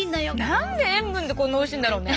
何で塩分ってこんなおいしいんだろうね。